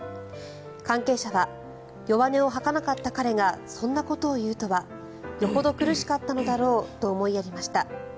関係者は弱音を吐かなかった彼がそんなことを言うとはよほど苦しかったのだろうと思いやりました。